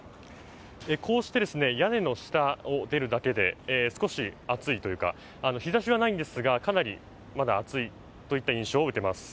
こうして屋根の下を出るだけで少し暑いというか日ざしはないんですが、かなりまだ暑いといった印象を受けます。